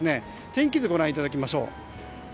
天気図、ご覧いただきましょう。